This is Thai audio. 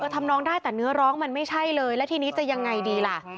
ทำน้องได้แต่เนื้อร้องมันไม่ใช่เลยแล้วทีนี้จะยังไงดีล่ะ